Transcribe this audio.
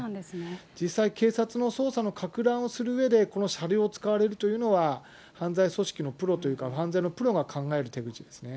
実際、警察の捜査のかく乱をするうえで、この車両を使われるというのは、犯罪組織のプロというか、犯罪のプロが考える手口ですね。